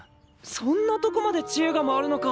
そんなとこまでちえが回るのか！